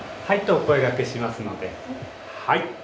はいとお声がけしますのではい。